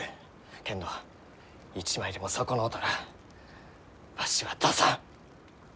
けんど一枚でも損のうたらわしは出さん！